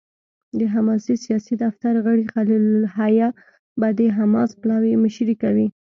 د حماس سیاسي دفتر غړی خلیل الحية به د حماس پلاوي مشري کوي.